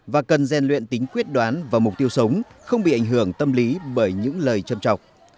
và cần rèn luyện tính quyết đoán và mục tiêu sống không bị ảnh hưởng tâm lý bởi những lời châm trọc